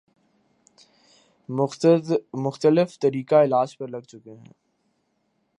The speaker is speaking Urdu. مختلف طریقہ علاج پر لگ چکے ہیں